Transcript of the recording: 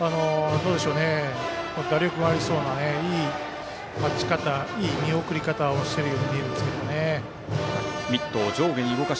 打力もありそうな、いい待ち方いい見送り方をしているように見えるんですけどね。